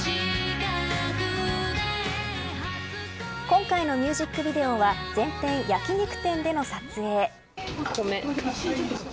今回のミュージックビデオは全編、焼き肉店での撮影。